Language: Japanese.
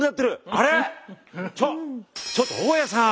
あれっ⁉ちょっちょっと大家さん！